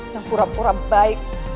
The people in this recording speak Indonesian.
yang pura pura baik